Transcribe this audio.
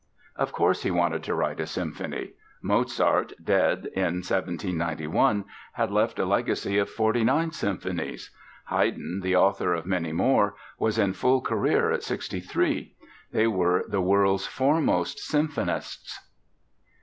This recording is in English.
Of course he wanted to write a symphony. Mozart, dead in 1791, had left a legacy of forty nine symphonies. Haydn, the author of many more, was in full career at 63. They were the world's foremost symphonists.